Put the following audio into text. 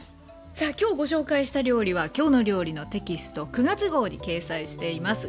さあ今日ご紹介した料理は「きょうの料理」のテキスト９月号に掲載しています。